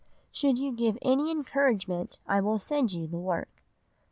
Should you give any encouragement I will send you the work."